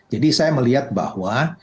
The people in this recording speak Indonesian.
jadi saya melihat bahwa